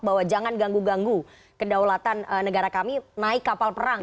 bahwa jangan ganggu ganggu kedaulatan negara kami naik kapal perang